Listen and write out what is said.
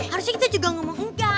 harusnya kita juga gak mau huja